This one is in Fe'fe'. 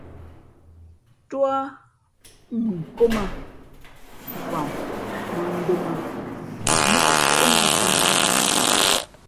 Tú á mʉnkóm ā, vam mᾱndōm ā móʼ kóʼnāt kāhā ?